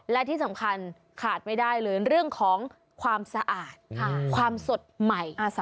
และที่สำคัญขาดไม่ได้เลยเรื่องของความสะอาดความสดใหม่